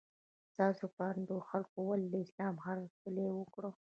ستاسو په اند خلکو ولې له اسلام هرکلی وکړ؟